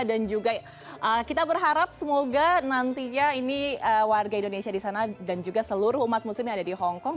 dan juga kita berharap semoga nantinya ini warga indonesia di sana dan juga seluruh umat muslim yang ada di hongkong